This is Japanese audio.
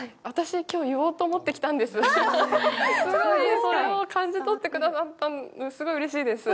それを感じ取ってくださったの、すごいうれしいです。